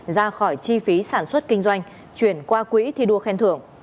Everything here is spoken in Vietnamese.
ra khỏi chi phí sản xuất kinh doanh chuyển qua quỹ thi đua khen thưởng